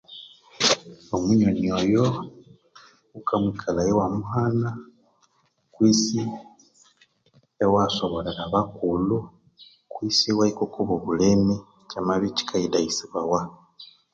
Omunyonyi oyo wukamwikalhaya iwamuhana kwesi iwayasoborera abakulhu kwesi iwahika okwabulemi kyamabya ikyikayisunzibawa